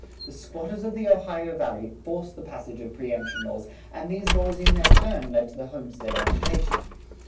The squatters of the Ohio Valley forced the passage of preëmption laws and these laws in their turn led to the homestead agitation.